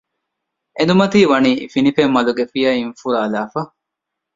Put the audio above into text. އެނދުމަތީ ވަނީ ފިނިފެންމަލުގެ ފިޔައިން ފުރާލާފަ